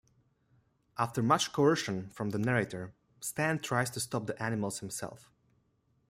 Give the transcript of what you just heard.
After much coercion from the narrator, Stan tries to stop the animals himself.